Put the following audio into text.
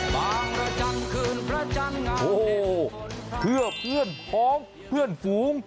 บางระจันทร์คืนพระจันทร์โอ้โหเพื่อเพื่อนพ้องเพื่อนฝูง